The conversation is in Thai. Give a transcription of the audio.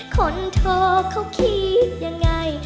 คนโทรเขาคิดยังไง